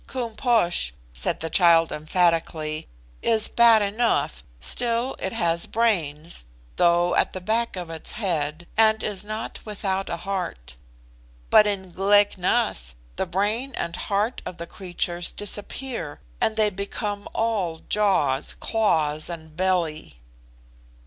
Koom Posh," said the child, emphatically, "is bad enough, still it has brains, though at the back of its head, and is not without a heart; but in Glek Nas the brain and heart of the creatures disappear, and they become all jaws, claws, and belly."